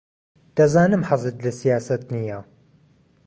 دەزانم حەزت لە سیاسەت نییە.